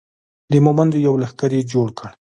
د مومندو یو لښکر یې جوړ کړ.